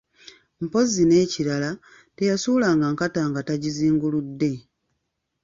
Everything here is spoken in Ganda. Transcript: Mpozzi n'ekirala, teyasuulanga nkata nga tagizinguludde.